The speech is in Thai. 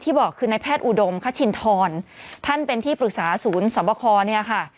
บอกคือในแพทย์อุดมคชินทรท่านเป็นที่ปรึกษาศูนย์สอบคอเนี่ยค่ะ